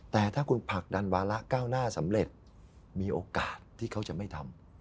แต่ถ้าคุณผลักดันวาระก้าวหน้าสำเร็จมีโอกาสที่เขาจะไม่ทำ